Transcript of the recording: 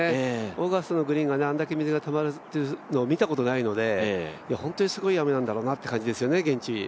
オーガスタのグリーンがあんなに水がたまるのを見たことがないので本当にすごい雨なんだろうなという感じですよね、現地。